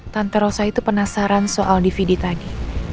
tante rosa itu penasaran soal dvd tadi